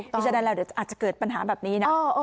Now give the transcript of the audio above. นี่แสดงเราอาจจะเกิดปัญหาแบบนี้นะ